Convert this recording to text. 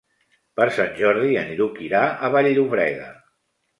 Per Sant Jordi en Lluc irà a Vall-llobrega.